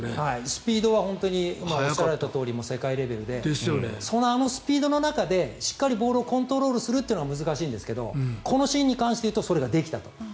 スピードは今おっしゃられたとおり世界レベルでそのスピードの中でしっかりボールをコントロールするというのが難しいんですけどこのシーンに関して言うとそれができたと。